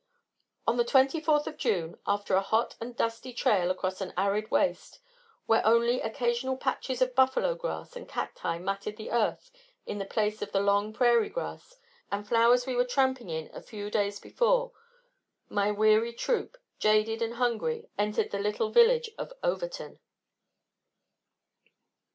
On the 24th of June, after a hot and dusty trail across an arid waste, where only occasional patches of buffalo grass and cacti matted the earth in the place of the long prairie grass and flowers we were tramping in a few days before, my weary troop, jaded and hungry entered the little village of Overton.